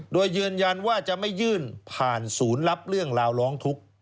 โดยยืนยันว่าจะไม่ยื่นผ่านศูนย์รับเรื่องราวร้องทุกข์